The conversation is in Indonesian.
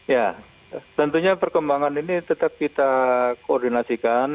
ya tentunya perkembangan ini tetap kita koordinasikan